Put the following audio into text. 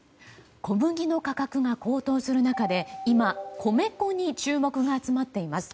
小麦の価格が高騰する中で今、米粉に注目が集まっています。